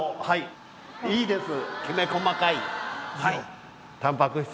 はいいいです。